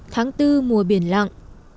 tháng bốn mùa biển lặng